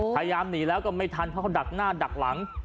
พยายามหนีแล้วก็ไม่ทันเพราะเขาดักหน้าดักหลัง